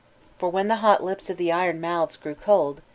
For wfien fbe hot lips of the iron mouths grew cold.